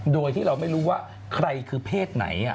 โดยที่เราไม่รู้ว่าใครคือเพศไหน